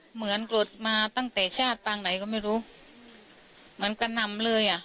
เหมือนกรดมาตั้งแต่ชาติปางไหนก็ไม่รู้เหมือนกันนำเลยอ่ะ